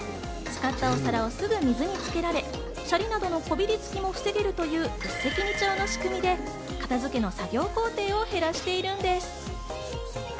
使ったお皿をすぐに水につけられ、しゃりなどのこびりつきも防げるという一石二鳥で片付けの過程を減らしているんです。